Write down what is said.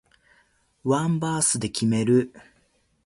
ワンバースで決める